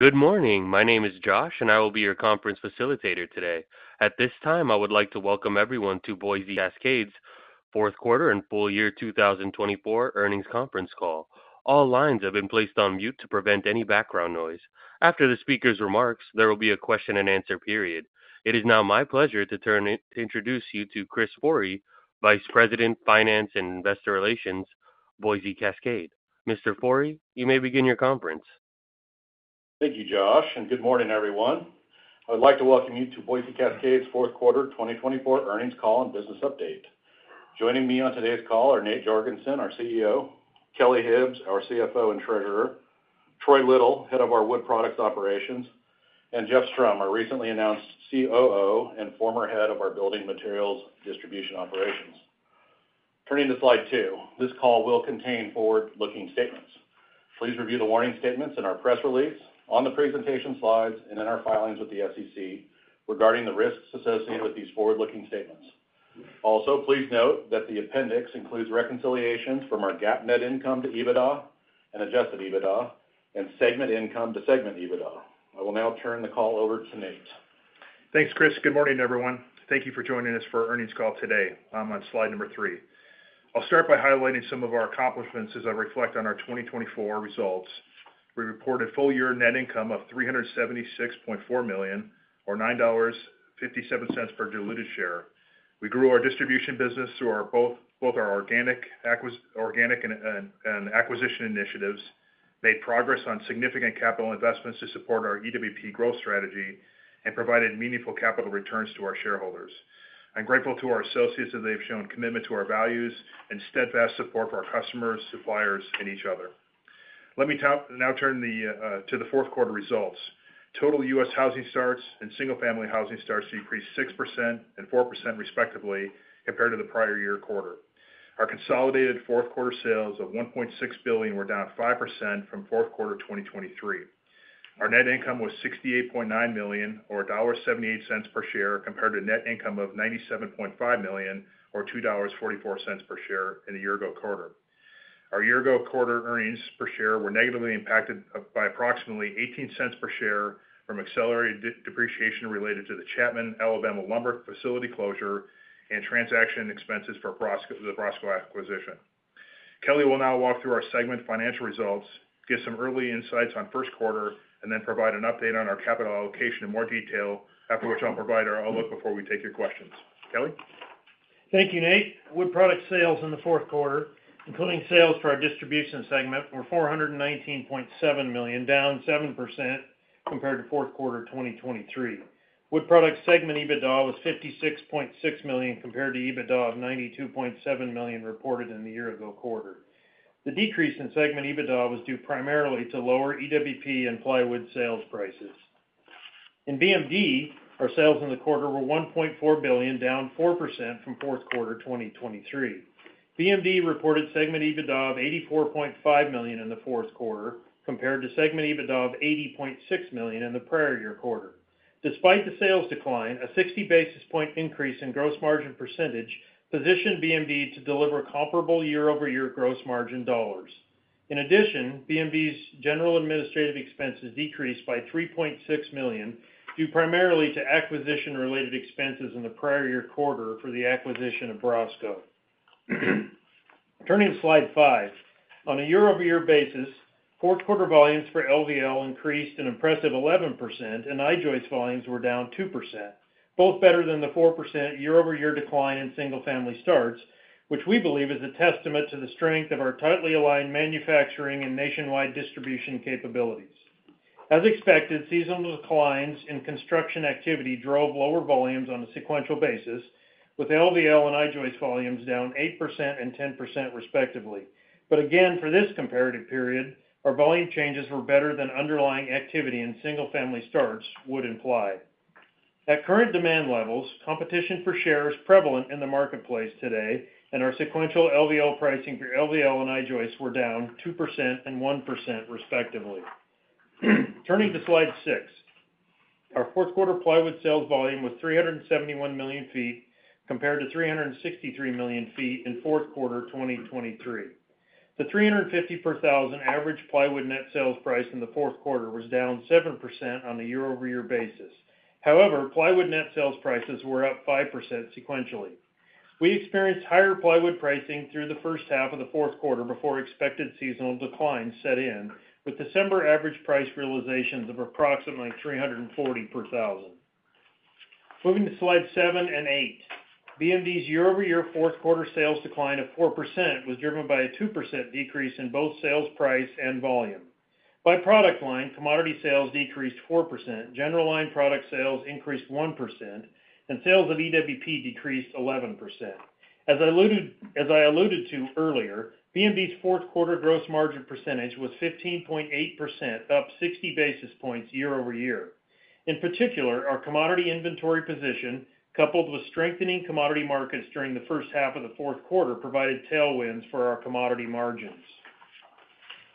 Good morning. My name is Josh, and I will be your conference facilitator today. At this time, I would like to welcome everyone to Boise Cascade's Q4 and Full Year 2024 Earnings Conference Call. All lines have been placed on mute to prevent any background noise. After the speaker's remarks, there will be a question-and-answer period. It is now my pleasure to introduce you to Chris Forrey, Vice President, Finance and Investor Relations, Boise Cascade. Mr. Forrey, you may begin your conference. Thank you, Josh, and good morning, everyone. I would like to welcome you to Boise Cascade's Q4 2024 Earnings Call and Business Update. Joining me on today's call are Nate Jorgensen, our CEO; Kelly Hibbs, our CFO and treasurer; Troy Little, head of our wood products operations; and Jeff Strom, our recently announced COO and former head of our building materials distribution operations. Turning to slide two, this call will contain forward-looking statements. Please review the warning statements in our press release, on the presentation slides, and in our filings with the SEC regarding the risks associated with these forward-looking statements. Also, please note that the appendix includes reconciliations from our GAAP net income to EBITDA and adjusted EBITDA and segment income to segment EBITDA. I will now turn the call over to Nate. Thanks, Chris. Good morning, everyone. Thank you for joining us for our earnings call today. I'm on slide number three. I'll start by highlighting some of our accomplishments as I reflect on our 2024 results. We reported full year net income of $376.4 million, or $9.57 per diluted share. We grew our distribution business through both our organic and acquisition initiatives, made progress on significant capital investments to support our EWP growth strategy, and provided meaningful capital returns to our shareholders. I'm grateful to our associates that they've shown commitment to our values and steadfast support for our customers, suppliers, and each other. Let me now turn to the Q4 results. Total U.S. housing starts and single-family housing starts decreased 6% and 4% respectively compared to the prior year quarter. Our consolidated Q4 sales of $1.6 billion were down 5% from Q4 2023. Our net income was $68.9 million, or $1.78 per share, compared to net income of $97.5 million, or $2.44 per share, in the year-ago quarter. Our year-ago quarter earnings per share were negatively impacted by approximately $0.18 per share from accelerated depreciation related to the Chapman, Alabama, lumber facility closure and transaction expenses for the Brosco acquisition. Kelly will now walk through our segment financial results, give some early insights on Q1, and then provide an update on our capital allocation in more detail, after which I'll provide our outlook before we take your questions. Kelly? Thank you, Nate. Wood Products sales in the Q4, including sales for our distribution segment, were $419.7 million, down 7% compared to Q4 2023. Wood Products segment EBITDA was $56.6 million compared to EBITDA of $92.7 million reported in the year-ago quarter. The decrease in segment EBITDA was due primarily to lower EWP and plywood sales prices. In BMD, our sales in the quarter were $1.4 billion, down 4% from Q4 2023. BMD reported segment EBITDA of $84.5 million in the Q4 compared to segment EBITDA of $80.6 million in the prior year quarter. Despite the sales decline, a 60 basis point increase in gross margin percentage positioned BMD to deliver comparable year-over-year gross margin dollars. In addition, BMD's general administrative expenses decreased by $3.6 million due primarily to acquisition-related expenses in the prior year quarter for the acquisition of Brosco. Turning to slide five, on a year-over-year basis, Q4 volumes for LVL increased an impressive 11%, and I-joist volumes were down 2%, both better than the 4% year-over-year decline in single-family starts, which we believe is a testament to the strength of our tightly aligned manufacturing and nationwide distribution capabilities. As expected, seasonal declines in construction activity drove lower volumes on a sequential basis, with LVL and I-joist volumes down 8% and 10% respectively. But again, for this comparative period, our volume changes were better than underlying activity in single-family starts would imply. At current demand levels, competition for share is prevalent in the marketplace today, and our sequential LVL pricing for LVL and I-joist were down 2% and 1% respectively. Turning to slide six, our Q4 plywood sales volume was 371 million feet compared to 363 million feet in Q4 2023. The $350 per thousand average plywood net sales price in the Q4 was down 7% on a year-over-year basis. However, plywood net sales prices were up 5% sequentially. We experienced higher plywood pricing through the first half of the Q4 before expected seasonal decline set in, with December average price realizations of approximately $340 per thousand. Moving to slide seven and eight, BMD's year-over-year Q4 sales decline of 4% was driven by a 2% decrease in both sales price and volume. By product line, commodity sales decreased 4%, general line product sales increased 1%, and sales of EWP decreased 11%. As I alluded to earlier, BMD's Q4 gross margin percentage was 15.8%, up 60 basis points year-over-year. In particular, our commodity inventory position, coupled with strengthening commodity markets during the first half of the Q4, provided tailwinds for our commodity margins.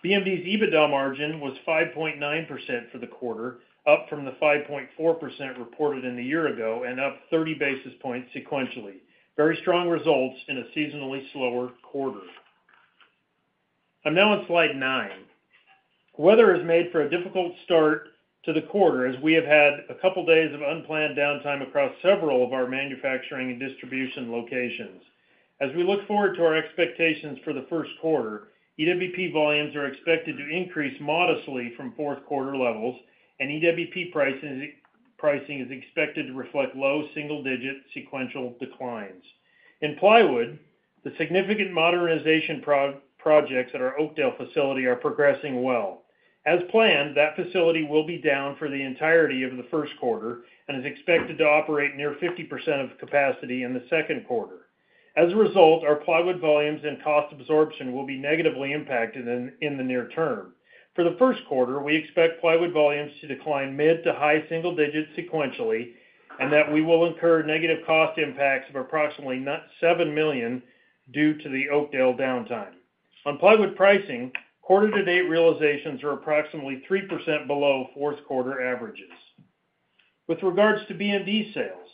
BMD's EBITDA margin was 5.9% for the quarter, up from the 5.4% reported in the year ago and up 30 basis points sequentially. Very strong results in a seasonally slower quarter. I'm now on slide nine. Weather has made for a difficult start to the quarter as we have had a couple of days of unplanned downtime across several of our manufacturing and distribution locations. As we look forward to our expectations for the Q1, EWP volumes are expected to increase modestly from Q4 levels, and EWP pricing is expected to reflect low single-digit sequential declines. In plywood, the significant modernization projects at our Oakdale facility are progressing well. As planned, that facility will be down for the entirety of the Q1 and is expected to operate near 50% of capacity in the Q2. As a result, our plywood volumes and cost absorption will be negatively impacted in the near term. For the Q1, we expect plywood volumes to decline mid to high single digits sequentially and that we will incur negative cost impacts of approximately $7 million due to the Oakdale downtime. On plywood pricing, quarter-to-date realizations are approximately 3% below Q4 averages. With regards to BMD sales,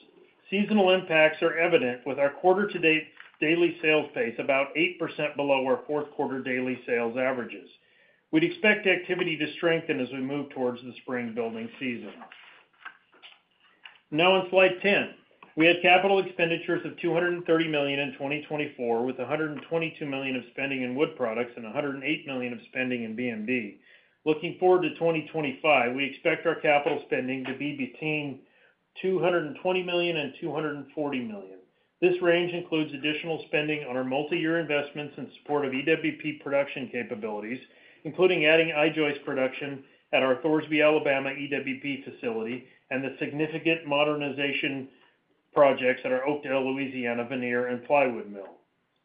seasonal impacts are evident with our quarter-to-date daily sales pace about 8% below our Q4 daily sales averages. We'd expect activity to strengthen as we move towards the spring building season. Now on slide 10, we had capital expenditures of $230 million in 2024, with $122 million of spending in Wood Products and $108 million of spending in BMD. Looking forward to 2025, we expect our capital spending to be between $220 million and $240 million. This range includes additional spending on our multi-year investments in support of EWP production capabilities, including adding I-joist production at our Thorsby, Alabama, EWP facility and the significant modernization projects at our Oakdale, Louisiana, veneer and plywood mill.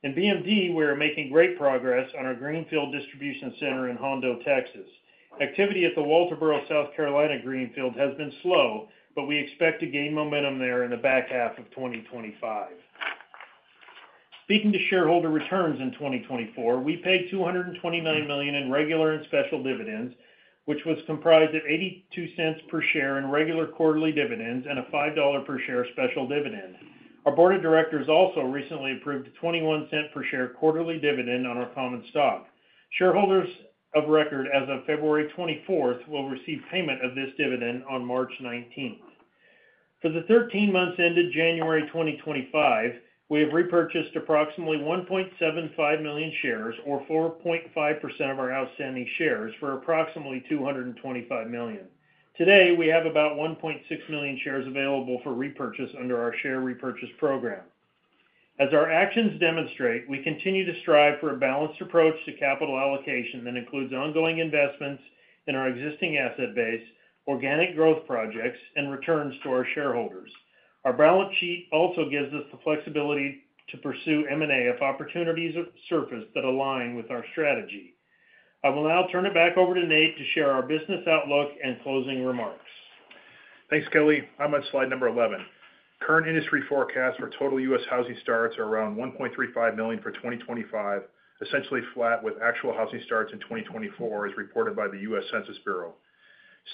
In BMD, we are making great progress on our Greenfield distribution center in Hondo, Texas. Activity at the Walterboro, South Carolina, Greenfield has been slow, but we expect to gain momentum there in the back half of 2025. Speaking to shareholder returns in 2024, we paid $229 million in regular and special dividends, which was comprised of $0.82 per share in regular quarterly dividends and a $5 per share special dividend. Our board of directors also recently approved a $0.21 per share quarterly dividend on our common stock. Shareholders of record as of February 24th will receive payment of this dividend on March 19th. For the 13 months ended January 2025, we have repurchased approximately 1.75 million shares, or 4.5% of our outstanding shares, for approximately $225 million. Today, we have about 1.6 million shares available for repurchase under our share repurchase program. As our actions demonstrate, we continue to strive for a balanced approach to capital allocation that includes ongoing investments in our existing asset base, organic growth projects, and returns to our shareholders. Our balance sheet also gives us the flexibility to pursue M&A if opportunities surface that align with our strategy. I will now turn it back over to Nate to share our business outlook and closing remarks. Thanks, Kelly. I'm on slide number 11. Current industry forecasts for total U.S. housing starts are around 1.35 million for 2025, essentially flat with actual housing starts in 2024, as reported by the U.S. Census Bureau.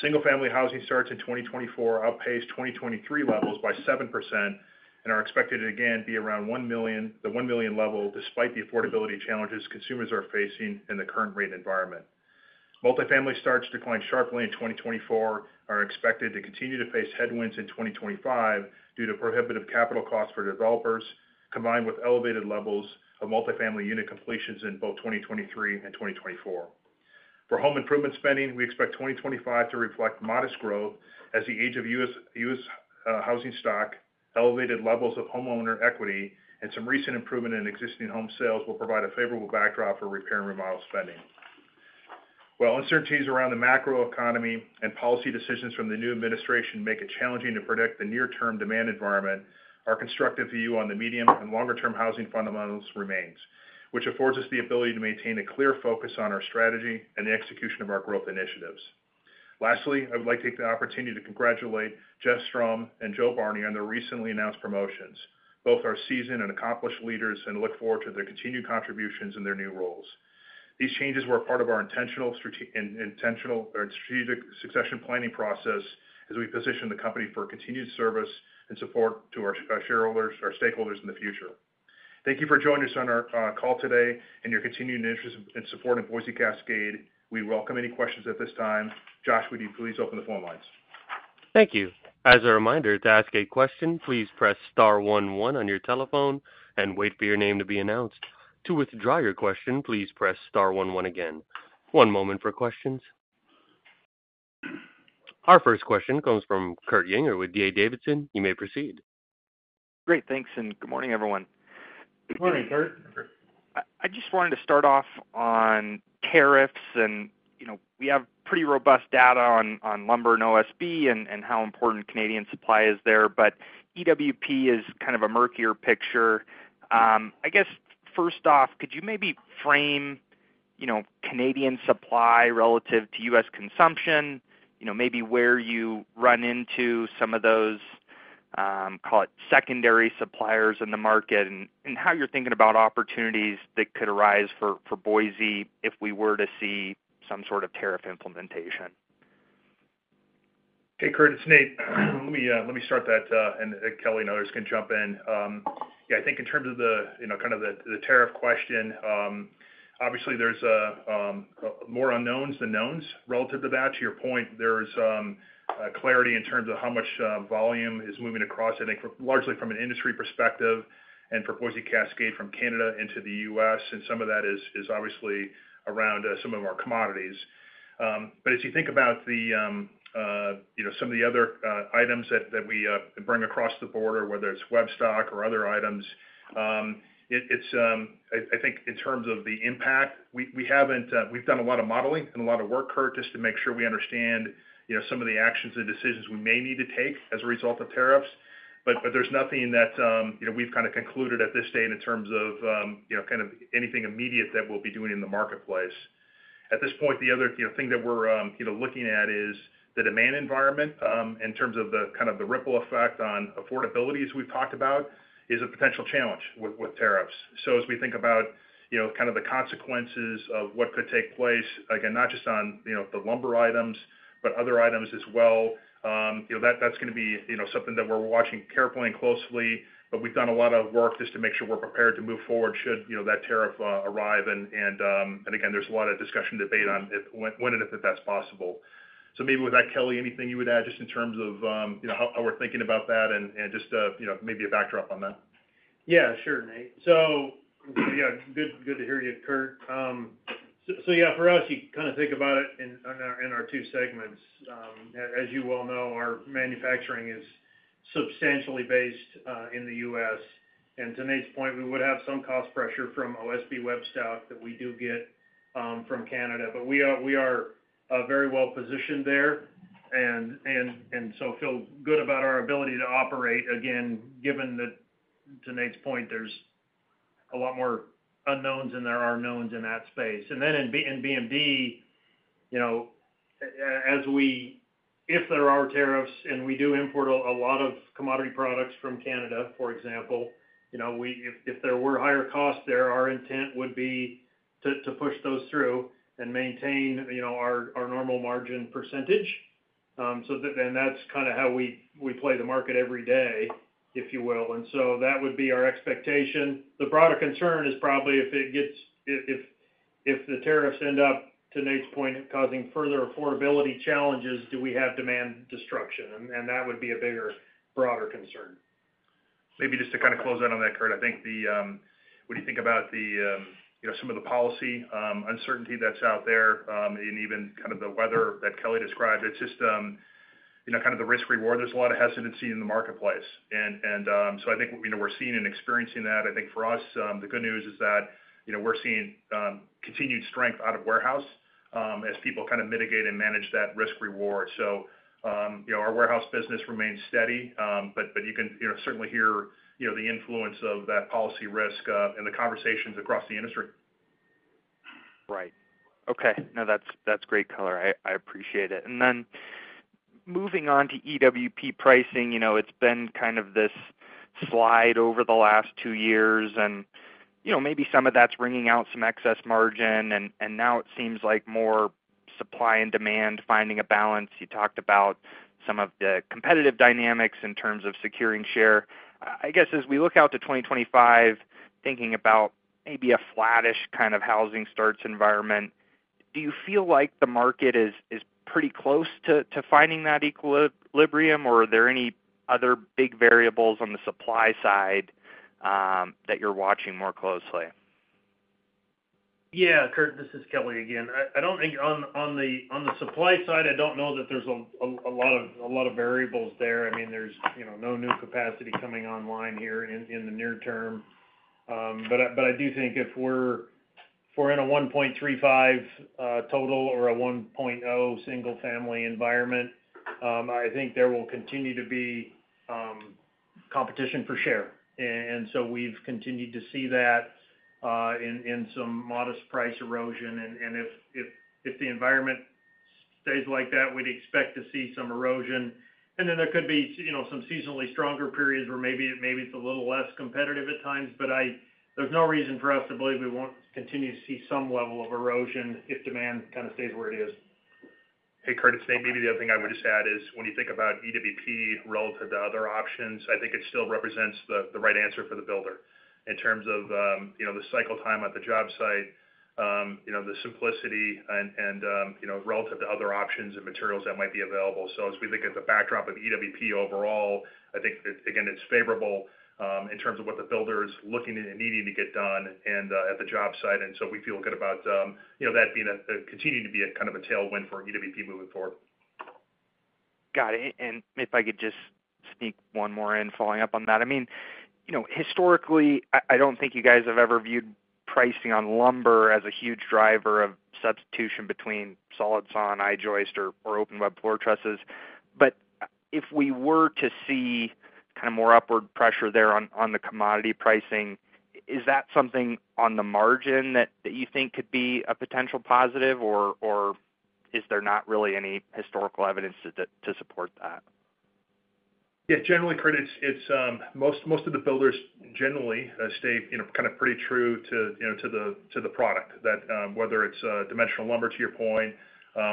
Single-family housing starts in 2024 outpaced 2023 levels by 7% and are expected to again be around the 1 million level despite the affordability challenges consumers are facing in the current rate environment. Multifamily starts declined sharply in 2024 and are expected to continue to face headwinds in 2025 due to prohibitive capital costs for developers, combined with elevated levels of multifamily unit completions in both 2023 and 2024. For home improvement spending, we expect 2025 to reflect modest growth as the age of U.S. housing stock, elevated levels of homeowner equity, and some recent improvement in existing home sales will provide a favorable backdrop for repair and remodel spending. While uncertainties around the macroeconomy and policy decisions from the new administration make it challenging to predict the near-term demand environment, our constructive view on the medium and longer-term housing fundamentals remains, which affords us the ability to maintain a clear focus on our strategy and the execution of our growth initiatives. Lastly, I would like to take the opportunity to congratulate Jeff Strom and Jo Barney on their recently announced promotions. Both are seasoned and accomplished leaders and look forward to their continued contributions in their new roles. These changes were part of our intentional strategic succession planning process as we position the company for continued service and support to our shareholders, our stakeholders in the future. Thank you for joining us on our call today and your continued interest and support in Boise Cascade. We welcome any questions at this time. Josh, would you please open the phone lines? Thank you. As a reminder, to ask a question, please press star one, one, on your telephone and wait for your name to be announced. To withdraw your question, please press star one, one, again. One moment for questions. Our first question comes from Kurt Yinger with D.A. Davidson. You may proceed. Great. Thanks, and good morning, everyone. Good morning, Kurt. I just wanted to start off on tariffs, and we have pretty robust data on lumber and OSB and how important Canadian supply is there, but EWP is kind of a murkier picture. I guess, first off, could you maybe frame Canadian supply relative to U.S. consumption, maybe where you run into some of those, call it, secondary suppliers in the market, and how you're thinking about opportunities that could arise for Boise if we were to see some sort of tariff implementation? Hey, Kurt. It's Nate. Let me start that, and Kelly and others can jump in. Yeah, I think in terms of kind of the tariff question, obviously, there's more unknowns than knowns relative to that. To your point, there's clarity in terms of how much volume is moving across, I think, largely from an industry perspective and for Boise Cascade from Canada into the U.S., and some of that is obviously around some of our commodities. But as you think about some of the other items that we bring across the border, whether it's web stock or other items, I think in terms of the impact, we've done a lot of modeling and a lot of work, Kurt, just to make sure we understand some of the actions and decisions we may need to take as a result of tariffs. But there's nothing that we've kind of concluded at this date in terms of kind of anything immediate that we'll be doing in the marketplace. At this point, the other thing that we're looking at is the demand environment in terms of the kind of the ripple effect on affordability as we've talked about is a potential challenge with tariffs, so as we think about kind of the consequences of what could take place, again, not just on the lumber items, but other items as well, that's going to be something that we're watching carefully and closely, but we've done a lot of work just to make sure we're prepared to move forward should that tariff arrive, and again, there's a lot of discussion and debate on when and if that's possible. So maybe with that, Kelly, anything you would add just in terms of how we're thinking about that and just maybe a backdrop on that? Yeah, sure, Nate. So yeah, good to hear you, Kurt. So yeah, for us, you kind of think about it in our two segments. As you well know, our manufacturing is substantially based in the U.S., and to Nate's point, we would have some cost pressure from OSB web stock that we do get from Canada. But we are very well positioned there. So we feel good about our ability to operate. Again, given that to Nate's point, there's a lot more unknowns than there are knowns in that space. Then in BMD, if there are tariffs and we do import a lot of commodity products from Canada, for example, if there were higher costs there, our intent would be to push those through and maintain our normal margin percentage. That's kind of how we play the market every day, if you will. And so that would be our expectation. The broader concern is probably if the tariffs end up, to Nate's point, causing further affordability challenges, do we have demand destruction? And that would be a bigger, broader concern. Maybe just to kind of close out on that, Kurt, I think when you think about some of the policy uncertainty that's out there and even kind of the weather that Kelly described, it's just kind of the risk-reward. There's a lot of hesitancy in the marketplace. And so I think we're seeing and experiencing that. I think for us, the good news is that we're seeing continued strength out of warehouse as people kind of mitigate and manage that risk-reward. So our warehouse business remains steady, but you can certainly hear the influence of that policy risk and the conversations across the industry. Right. Okay. No, that's great, Kelly. I appreciate it. And then moving on to EWP pricing, it's been kind of this slide over the last two years. And maybe some of that's wringing out some excess margin. And now it seems like more supply and demand finding a balance. You talked about some of the competitive dynamics in terms of securing share. I guess as we look out to 2025, thinking about maybe a flattish kind of housing starts environment, do you feel like the market is pretty close to finding that equilibrium, or are there any other big variables on the supply side that you're watching more closely? Yeah, Kurt, this is Kelly again. I don't think on the supply side, I don't know that there's a lot of variables there. I mean, there's no new capacity coming online here in the near term, but I do think if we're in a 1.35 total or a 1.0 single-family environment, I think there will continue to be competition for share. And so we've continued to see that in some modest price erosion. And if the environment stays like that, we'd expect to see some erosion. And then there could be some seasonally stronger periods where maybe it's a little less competitive at times, but there's no reason for us to believe we won't continue to see some level of erosion if demand kind of stays where it is. Hey, Kurt. Maybe the other thing I would just add is when you think about EWP relative to other options, I think it still represents the right answer for the builder in terms of the cycle time at the job site, the simplicity, and relative to other options and materials that might be available. So as we look at the backdrop of EWP overall, I think, again, it's favorable in terms of what the builder is looking and needing to get done at the job site. And so we feel good about that continuing to be kind of a tailwind for EWP moving forward. Got it. And if I could just sneak one more in, following up on that. I mean, historically, I don't think you guys have ever viewed pricing on lumber as a huge driver of substitution between solid sawn and I-joist or open web floor trusses. But if we were to see kind of more upward pressure there on the commodity pricing, is that something on the margin that you think could be a potential positive, or is there not really any historical evidence to support that? Yeah, generally, Kurt, most of the builders generally stay kind of pretty true to the product, whether it's dimensional lumber, to your point,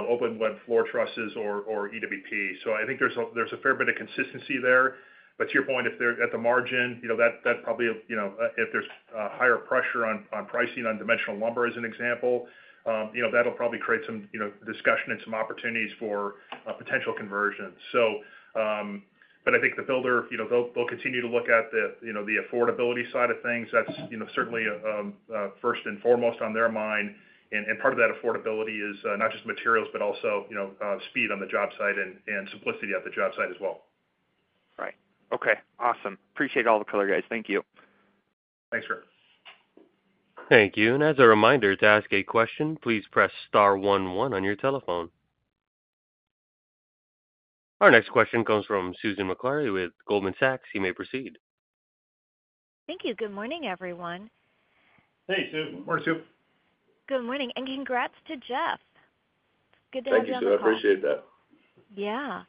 open web floor trusses, or EWP. So I think there's a fair bit of consistency there. But to your point, if they're at the margin, that probably, if there's higher pressure on pricing on dimensional lumber, as an example, that'll probably create some discussion and some opportunities for potential conversions. But I think the builder, they'll continue to look at the affordability side of things. That's certainly first and foremost on their mind, and part of that affordability is not just materials, but also speed on the job site and simplicity at the job site as well. Right. Okay. Awesome. Appreciate all the color, guys. Thank you. Thanks, Kurt. Thank you. And as a reminder, to ask a question, please press star one, one, on your telephone. Our next question comes from Susan Maklari with Goldman Sachs. You may proceed. Thank you. Good morning, everyone. Hey, Sue. More, Sue. Good morning, and congrats to Jeff. Good day, gentlemen. Thank you. I appreciate that. Yeah.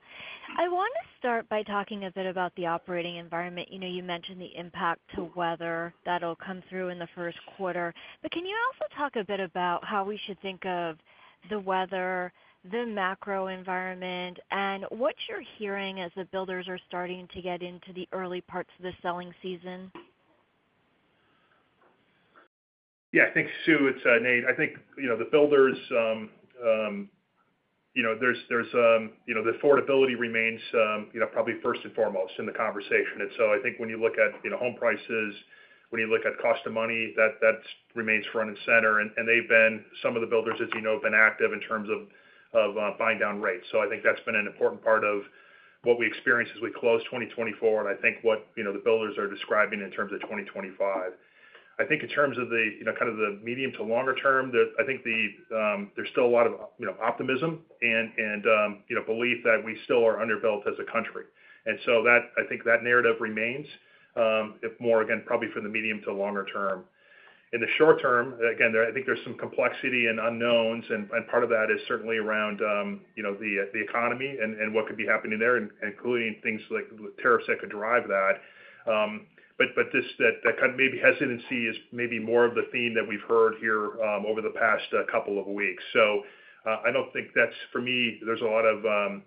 I want to start by talking a bit about the operating environment. You mentioned the impact to weather that'll come through in the Q1. But can you also talk a bit about how we should think of the weather, the macro environment, and what you're hearing as the builders are starting to get into the early parts of the selling season? Yeah. Thanks, Sue. It's Nate. I think the builders, there's the affordability remains probably first and foremost in the conversation, and so I think when you look at home prices, when you look at cost of money, that remains front and center. They've been, some of the builders, as you know, been active in terms of buying down rates, so I think that's been an important part of what we experienced as we closed 2024, and I think what the builders are describing in terms of 2025. I think in terms of kind of the medium to longer term, I think there's still a lot of optimism and belief that we still are underbuilt as a country, and so I think that narrative remains more, again, probably for the medium to longer term. In the short term, again, I think there's some complexity and unknowns. And part of that is certainly around the economy and what could be happening there, including things like tariffs that could drive that. But that kind of maybe hesitancy is maybe more of the theme that we've heard here over the past couple of weeks. So I don't think that's, for me, there's a lot of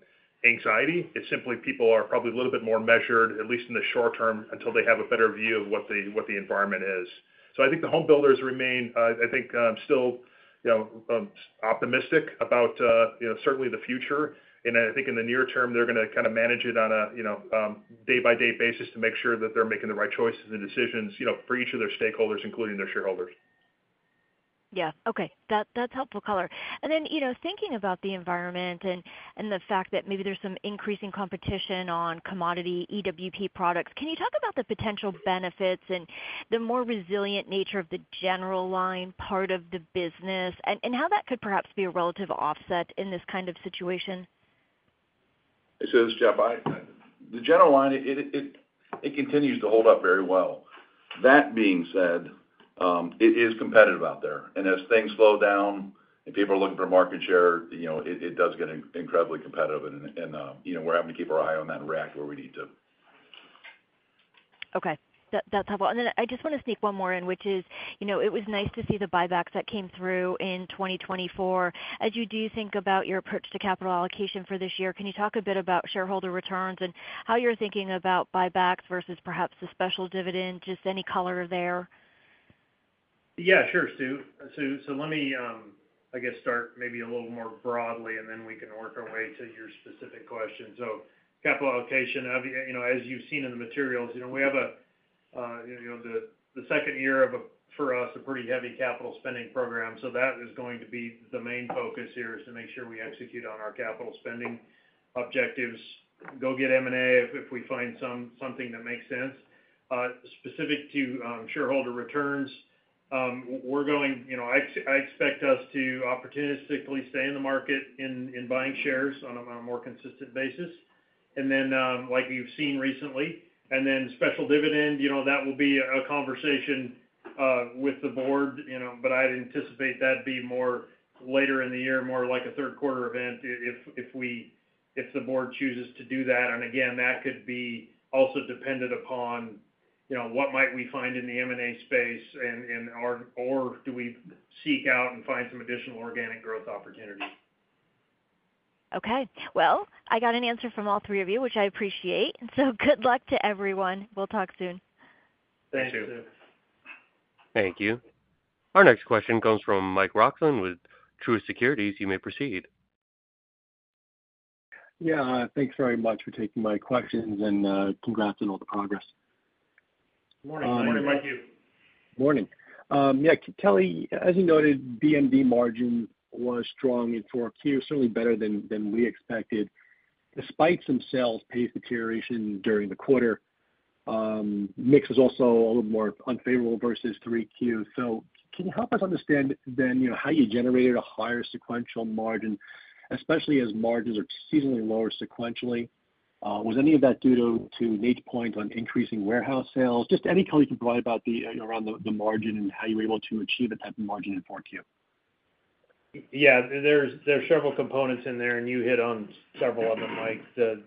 anxiety. It's simply people are probably a little bit more measured, at least in the short term, until they have a better view of what the environment is. So I think the home builders remain, I think, still optimistic about certainly the future. And I think in the near term, they're going to kind of manage it on a day-by-day basis to make sure that they're making the right choices and decisions for each of their stakeholders, including their shareholders. Yeah. Okay. That's helpful color. And then thinking about the environment and the fact that maybe there's some increasing competition on commodity EWP products, can you talk about the potential benefits and the more resilient nature of the general line part of the business and how that could perhaps be a relative offset in this kind of situation? So this is Jeff. The general line, it continues to hold up very well. That being said, it is competitive out there, and as things slow down and people are looking for market share, it does get incredibly competitive, and we're having to keep our eye on that and react where we need to. Okay. That's helpful, and then I just want to sneak one more in, which is it was nice to see the buybacks that came through in 2024. As you do think about your approach to capital allocation for this year, can you talk a bit about shareholder returns and how you're thinking about buybacks versus perhaps the special dividend, just any color there? Yeah, sure, Sue. So let me, I guess, start maybe a little more broadly, and then we can work our way to your specific question. So capital allocation, as you've seen in the materials, we have the second year for us, a pretty heavy capital spending program. So that is going to be the main focus here is to make sure we execute on our capital spending objectives. Go get M&A if we find something that makes sense. Specific to shareholder returns, we're going to expect us to opportunistically stay in the market in buying shares on a more consistent basis, like you've seen recently. And then special dividend, that will be a conversation with the board. But I'd anticipate that'd be more later in the year, more like a Q3 event if the board chooses to do that. Again, that could be also dependent upon what might we find in the M&A space, or do we seek out and find some additional organic growth opportunity? Okay. Well, I got an answer from all three of you, which I appreciate. So good luck to everyone. We'll talk soon. Thanks, Sue. Thank you. Our next question comes from Mike Roxland with Truist Securities. You may proceed. Yeah. Thanks very much for taking my questions and congrats on all the progress. Good morning. Good morning. Kelly Hibbs. Good morning. Yeah. Kelly, as you noted, BMD margin was strong in four Qs, certainly better than we expected. The sales pace itself deteriorated during the quarter. Mix was also a little more unfavorable versus three Qs, so can you help us understand then how you generated a higher sequential margin, especially as margins are seasonally lower sequentially? Was any of that due to Nate's point on increasing warehouse sales? Just any color you can provide around the margin and how you were able to achieve that type of margin in four Q. Yeah. There's several components in there, and you hit on several of them.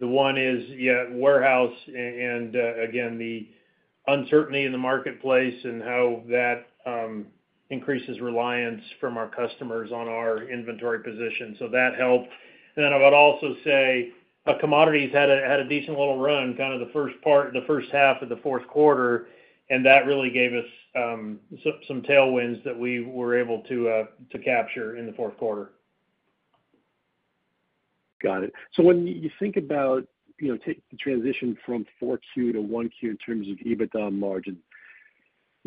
The one is, yeah, warehouse and, again, the uncertainty in the marketplace and how that increases reliance from our customers on our inventory position. So that helped. And then I would also say commodities had a decent little run kind of the first half of the Q4. And that really gave us some tailwinds that we were able to capture in the Q4. Got it. So when you think about the transition from Q4 to Q1 in terms of EBITDA margin,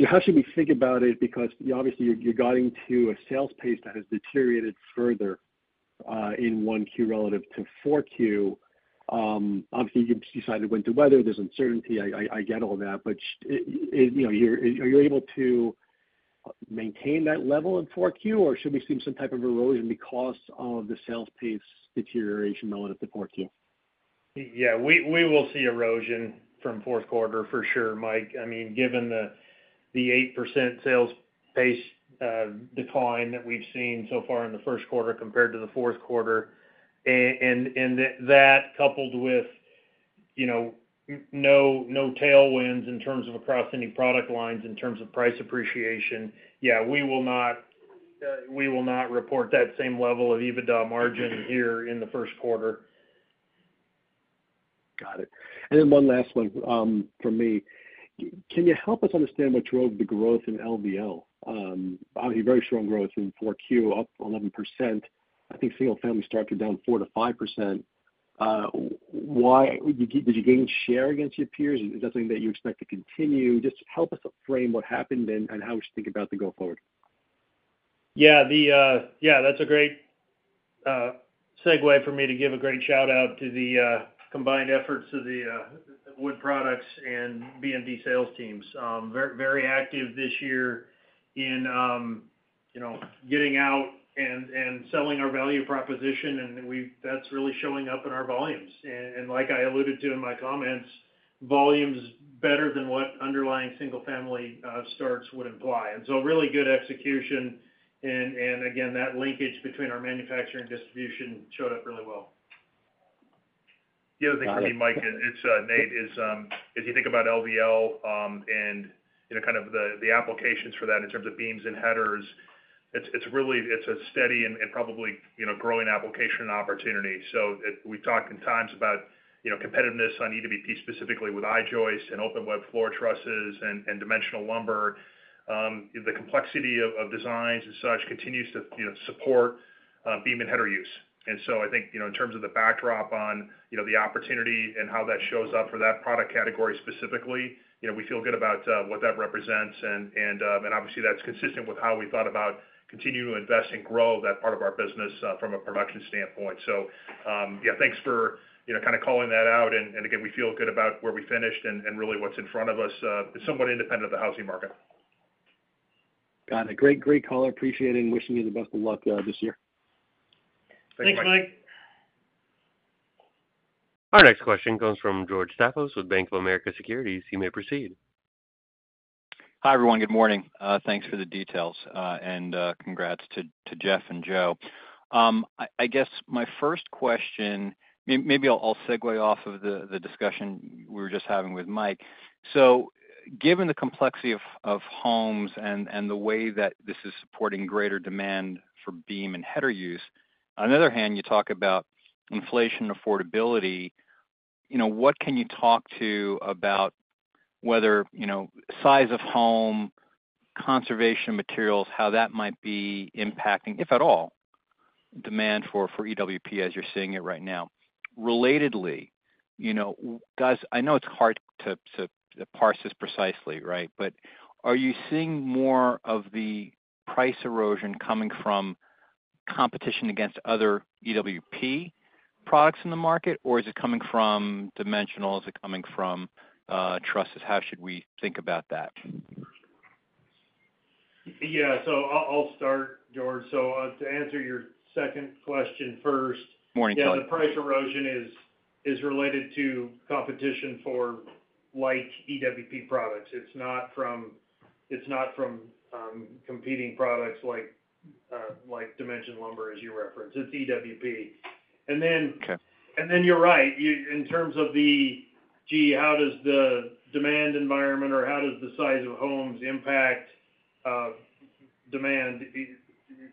how should we think about it? Because obviously, you're going to a sales pace that has deteriorated further in Q1 relative to Q4. Obviously, you cited winter weather. There's uncertainty. I get all that. But are you able to maintain that level in Q4, or should we see some type of erosion because of the sales pace deterioration relative to Q4? Yeah. We will see erosion from Q4, for sure, Mike. I mean, given the 8% sales pace decline that we've seen so far in the Q1 compared to the Q4, and that coupled with no tailwinds in terms of across any product lines in terms of price appreciation, yeah, we will not report that same level of EBITDA margin here in the Q1. Got it. And then one last one from me. Can you help us understand what drove the growth in LVL? Obviously, very strong growth in 4Q, up 11%. I think single-family starts are down 4%-5%. Did you gain share against your peers? Is that something that you expect to continue? Just help us frame what happened and how we should think about the going forward. Yeah. Yeah. That's a great segue for me to give a great shout-out to the combined efforts of the wood products and BMD sales teams. Very active this year in getting out and selling our value proposition. And that's really showing up in our volumes. And like I alluded to in my comments, volumes better than what underlying single-family starts would imply. And so really good execution. And again, that linkage between our manufacturing and distribution showed up really well. Yeah. I think for me, Mike, it's Nate, as you think about LVL and kind of the applications for that in terms of beams and headers, it's a steady and probably growing application opportunity. So we've talked in times about competitiveness on EWP specifically with I-joist and open web floor trusses and dimensional lumber. The complexity of designs and such continues to support beam and header use. And so I think in terms of the backdrop on the opportunity and how that shows up for that product category specifically, we feel good about what that represents. And obviously, that's consistent with how we thought about continuing to invest and grow that part of our business from a production standpoint. So yeah, thanks for kind of calling that out. And again, we feel good about where we finished and really what's in front of us. It's somewhat independent of the housing market. Got it. Great, color. Appreciate it and wishing you the best of luck this year. Thanks, Mike. Thanks, Mike. Our next question comes from George Staphos with Bank of America Securities. You may proceed. Hi, everyone. Good morning. Thanks for the details, and congrats to Jeff and Jo. I guess my first question, maybe I'll segue off of the discussion we were just having with Mike, so given the complexity of homes and the way that this is supporting greater demand for beam and header use, on the other hand, you talk about inflation affordability. What can you talk about whether size of home, conservation materials, how that might be impacting, if at all, demand for EWP as you're seeing it right now? Relatedly, guys, I know it's hard to parse this precisely, right? But are you seeing more of the price erosion coming from competition against other EWP products in the market, or is it coming from dimensional? Is it coming from trusses? How should we think about that? Yeah. So I'll start, George. So to answer your second question first. Morning, Kelly. Yeah. The price erosion is related to competition, for like EWP products. It's not from competing products like dimension lumber, as you referenced. It's EWP, and then you're right. In terms of the, "Gee, how does the demand environment or how does the size of homes impact demand?"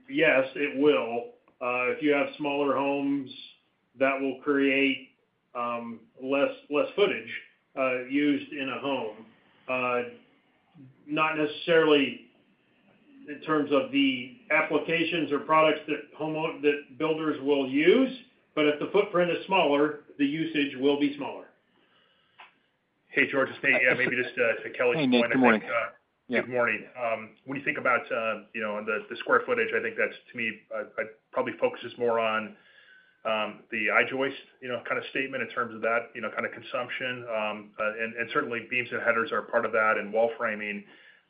Yes, it will. If you have smaller homes, that will create less footage used in a home. Not necessarily in terms of the applications or products that builders will use, but if the footprint is smaller, the usage will be smaller. Hey, George. Yeah. Maybe just Kelly's point. Good morning. Good morning. When you think about the square footage, I think that's, to me, probably focuses more on the I-joist kind of statement in terms of that kind of consumption. And certainly, beams and headers are part of that and wall framing.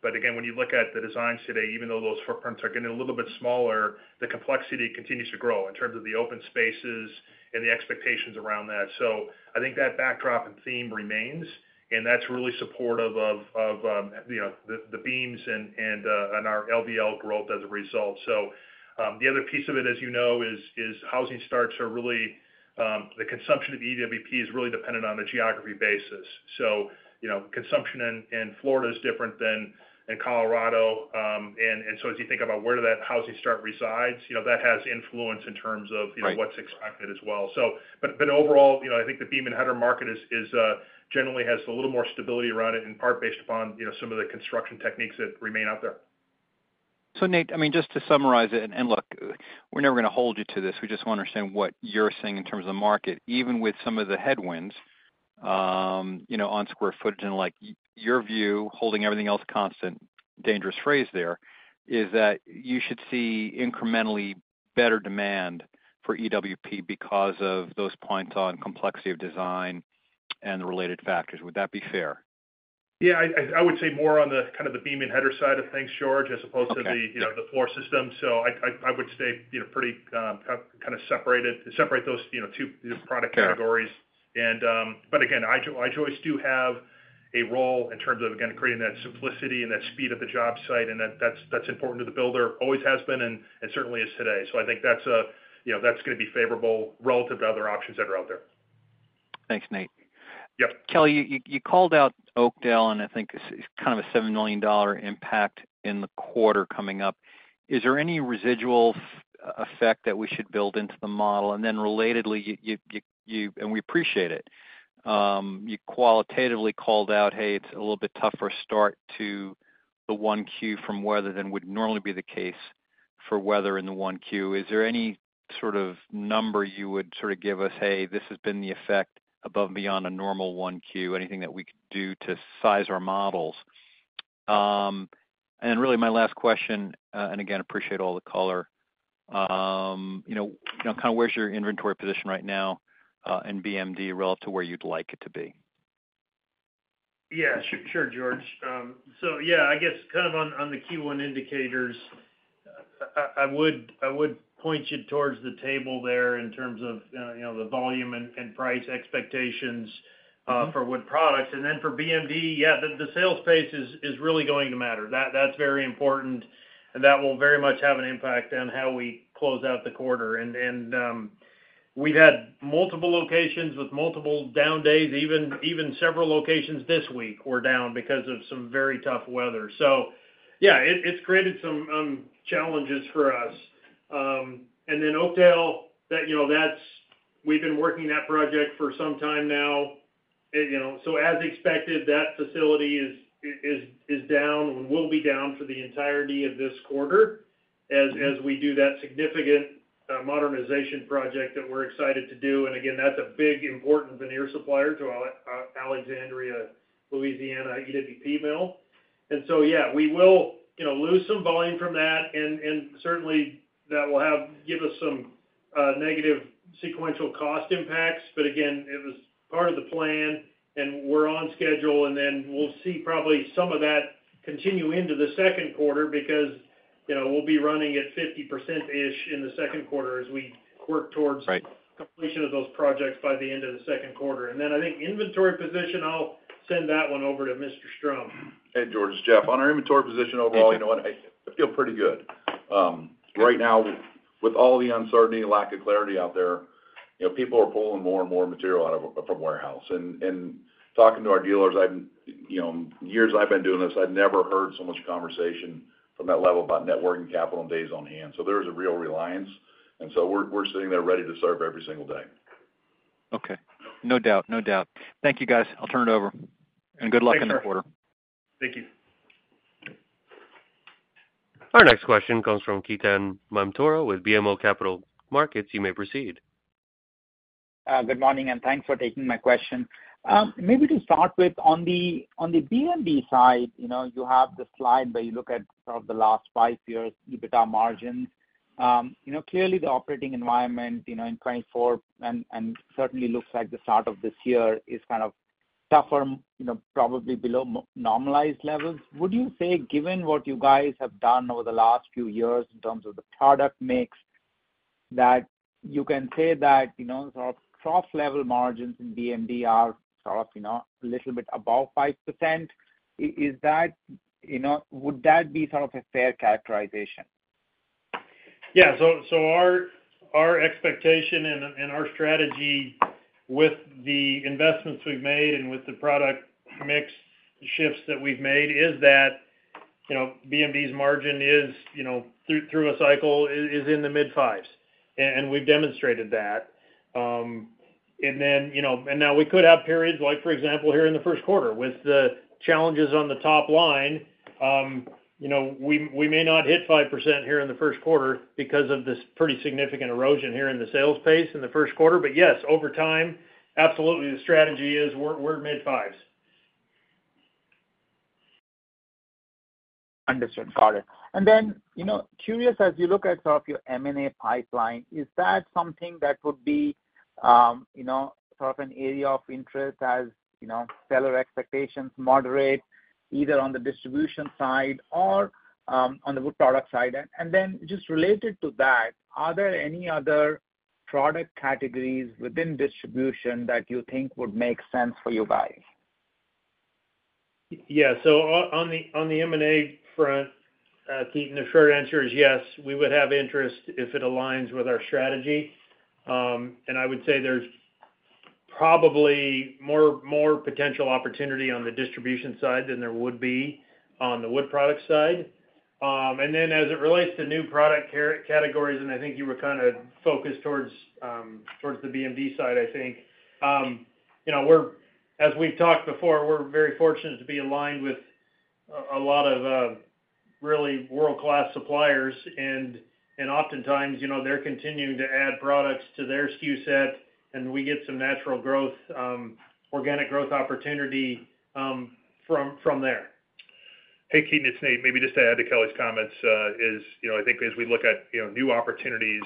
But again, when you look at the designs today, even though those footprints are getting a little bit smaller, the complexity continues to grow in terms of the open spaces and the expectations around that. So I think that backdrop and theme remains. And that's really supportive of the beams and our LVL growth as a result. So the other piece of it, as you know, is housing starts are really the consumption of EWP is really dependent on a geography basis. So consumption in Florida is different than in Colorado. And so as you think about where that housing start resides, that has influence in terms of what's expected as well. But overall, I think the beam and header market generally has a little more stability around it, in part based upon some of the construction techniques that remain out there. So Nate, I mean, just to summarize it, and look, we're never going to hold you to this. We just want to understand what you're saying in terms of the market, even with some of the headwinds on square footage. And your view, holding everything else constant, dangerous phrase there, is that you should see incrementally better demand for EWP because of those points on complexity of design and the related factors. Would that be fair? Yeah. I would say more on the kind of the beam and header side of things, George, as opposed to the floor system. So I would stay pretty kind of separate those two product categories. But again, I-joist do have a role in terms of, again, creating that simplicity and that speed at the job site. And that's important to the builder, always has been, and certainly is today. So I think that's going to be favorable relative to other options that are out there. Thanks, Nate. Kelly, you called out Oakdale, and I think it's kind of a $7 million impact in the quarter coming up. Is there any residual effect that we should build into the model? And then relatedly, and we appreciate it, you qualitatively called out, "Hey, it's a little bit tougher start to the one Q from weather than would normally be the case for weather in the one Q." Is there any sort of number you would sort of give us, "Hey, this has been the effect above and beyond a normal one Q," anything that we could do to size our models? And really, my last question, and again, appreciate all the color. Kind of where's your inventory position right now in BMD relative to where you'd like it to be? Yeah. Sure, George. So yeah, I guess kind of on the key one indicators, I would point you towards the table there in terms of the volume and price expectations for wood products. And then for BMD, yeah, the sales pace is really going to matter. That's very important. And that will very much have an impact on how we close out the quarter. And we've had multiple locations with multiple down days. Even several locations this week were down because of some very tough weather. So yeah, it's created some challenges for us. And then Oakdale, we've been working that project for some time now. So as expected, that facility is down and will be down for the entirety of this quarter as we do that significant modernization project that we're excited to do. And again, that's a big important veneer supplier to Alexandria, Louisiana EWP mill. And so yeah, we will lose some volume from that. And certainly, that will give us some negative sequential cost impacts. But again, it was part of the plan, and we're on schedule. And then we'll see probably some of that continue into the Q2 because we'll be running at 50%-ish in the Q2 as we work towards completion of those projects by the end of the Q2. And then I think inventory position. I'll send that one over to Mr. Strom. Hey, George. Jeff, on our inventory position overall, I feel pretty good. Right now, with all the uncertainty and lack of clarity out there, people are pulling more and more material out of our warehouse. And talking to our dealers, years I've been doing this, I've never heard so much conversation from that level about working capital and days on hand. So there's a real reliance. And so we're sitting there ready to serve every single day. Okay. No doubt. No doubt. Thank you, guys. I'll turn it over, and good luck in the quarter. Thank you. Our next question comes from Ketan Mamtora with BMO Capital Markets. You may proceed. Good morning, and thanks for taking my question. Maybe to start with, on the BMD side, you have the slide where you look at sort of the last five years' EBITDA margins. Clearly, the operating environment in 2024 and certainly looks like the start of this year is kind of tougher, probably below normalized levels. Would you say, given what you guys have done over the last few years in terms of the product mix, that you can say that sort of cross-level margins in BMD are sort of a little bit above 5%? Would that be sort of a fair characterization? Yeah. So our expectation and our strategy with the investments we've made and with the product mix shifts that we've made is that BMD's margin through a cycle is in the mid-fives. And we've demonstrated that. And now we could have periods like, for example, here in the Q1 with the challenges on the top line. We may not hit 5% here in the Q1 because of this pretty significant erosion here in the sales pace in the Q1. But yes, over time, absolutely, the strategy is we're mid-fives. Understood. Got it. And then curious, as you look at sort of your M&A pipeline, is that something that would be sort of an area of interest as seller expectations moderate either on the distribution side or on the wood product side? And then just related to that, are there any other product categories within distribution that you think would make sense for you guys? Yeah. So on the M&A front, Ketan, the short answer is yes. We would have interest if it aligns with our strategy. And I would say there's probably more potential opportunity on the distribution side than there would be on the wood product side. And then as it relates to new product categories, and I think you were kind of focused towards the BMD side, I think, as we've talked before, we're very fortunate to be aligned with a lot of really world-class suppliers. And oftentimes, they're continuing to add products to their SKU set, and we get some natural organic growth opportunity from there. Hey, Ketan, it's Nate. Maybe just to add to Kelly's comments is I think as we look at new opportunities,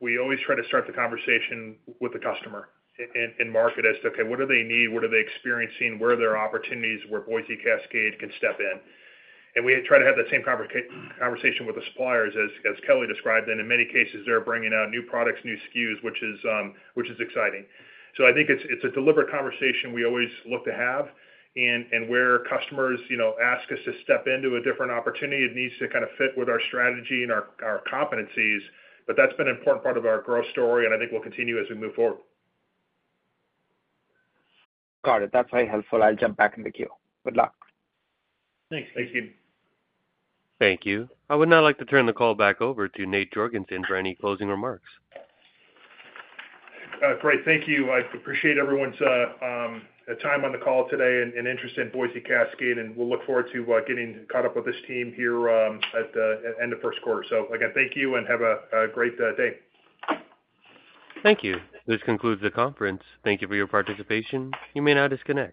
we always try to start the conversation with the customer and market as to, "Okay, what do they need? What are they experiencing? Where are their opportunities where Boise Cascade can step in?" And we try to have that same conversation with the suppliers, as Kelly described. And in many cases, they're bringing out new products, new SKUs, which is exciting. So I think it's a deliberate conversation we always look to have. And where customers ask us to step into a different opportunity, it needs to kind of fit with our strategy and our competencies. But that's been an important part of our growth story, and I think we'll continue as we move forward. Got it. That's very helpful. I'll jump back in the queue. Good luck. Thanks. Thank you. Thank you. I would now like to turn the call back over to Nate Jorgensen for any closing remarks. Great. Thank you. I appreciate everyone's time on the call today and interest in Boise Cascade. And we'll look forward to getting caught up with this team here at the end of Q1. So again, thank you, and have a great day. Thank you. This concludes the conference. Thank you for your participation. You may now disconnect.